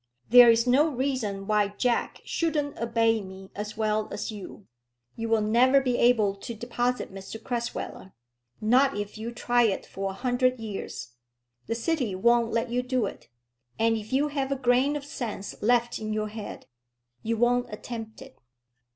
There is no reason why Jack shouldn't obey me as well as you. You will never be able to deposit Mr Crasweller, not if you try it for a hundred years. The city won't let you do it; and if you have a grain of sense left in your head, you won't attempt it.